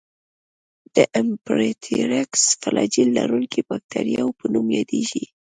د امفيټرایکس فلاجیل لرونکو باکتریاوو په نوم یادیږي.